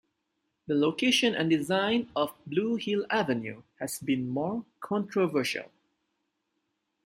The location and design of Blue Hill Avenue has been more controversial.